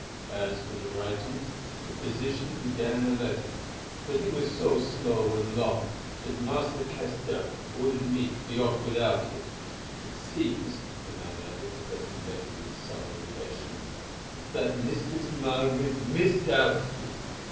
As for writing, the physician began a letter, but he was so slow and long that Master Castell ordered me to be off without it. It seems," the man added, addressing Betty with some irritation, "that Mistress Margaret misdoubts me.